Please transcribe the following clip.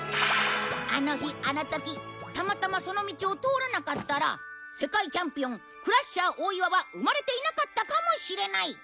あの日あの時たまたまその道を通らなかったら世界チャンピオンクラッシャー大岩は生まれていなかったかもしれない。